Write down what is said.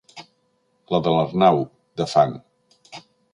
La de l'Arnau, de fang.